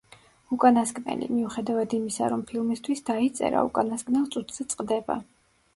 უკანასკნელი, მიუხედავად იმისა, რომ ფილმისთვის დაიწერა, უკანასკნელ წუთზე წყდება.